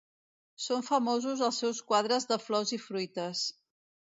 Són famosos els seus quadres de flors i fruites.